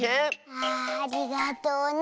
ああありがとうね。